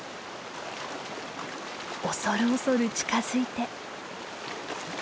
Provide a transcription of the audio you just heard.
恐る恐る近づいて。